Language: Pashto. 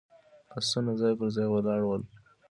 آسونه ځای پر ځای ولاړ ول.